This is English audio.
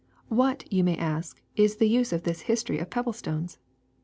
What, you may ask, is the use of this history of pebble stones?